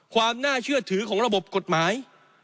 ความน่าเชื่อถือของระบบกฎหมาย